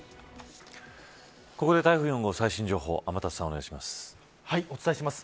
ここで台風４号、最新情報天達さん、お願いします。